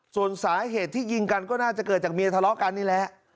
ส่วนสาเหตุที่ยิงกันก็น่าจะเกิดจากเมียทะเลาะกันนี่แหละ